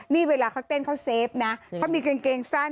ไม่และอยู่ยักษ์